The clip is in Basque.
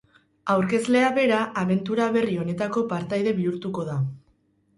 Aurkezlea bera, abentura berri honetako partaide bihurtuko da.